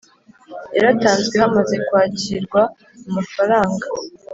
yaratanzwe hamaze kwakirwa amafaranga.